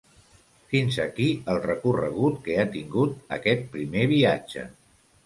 Fins aquí el recorregut que ha tingut aquest “primer viatge”.